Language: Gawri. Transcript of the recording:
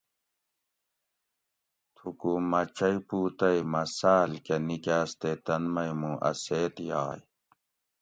تھُکو مٞہ چئ پُو تئ مٞہ ساٞل کۤہ نِکاٞس تے تن مئ مُوں اٞ سیت یائ